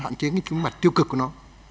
hạn chế những mặt tiêu cực của nó